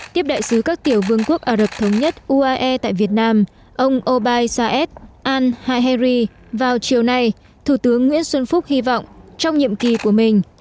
tiếp đại sứ các tiểu vương quốc ả rập thống nhất uae tại việt nam ông obai saed al haheri vào chiều nay thủ tướng nguyễn xuân phúc hy vọng trong nhiệm kỳ của mình